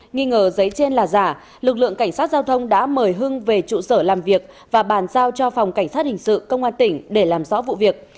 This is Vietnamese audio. nghi ngờ giấy trên là giả lực lượng cảnh sát giao thông đã mời hưng về trụ sở làm việc và bàn giao cho phòng cảnh sát hình sự công an tỉnh để làm rõ vụ việc